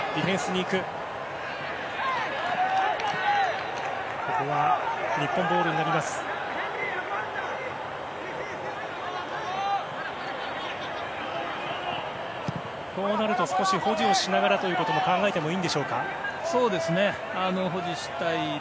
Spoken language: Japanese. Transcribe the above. こうなると、ボールを保持をしながらということも考えてもいいんでしょうか。